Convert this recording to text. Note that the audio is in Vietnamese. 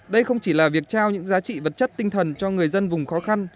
đây không chỉ là việc trao những giá trị vật chất tinh thần cho người dân vùng khó khăn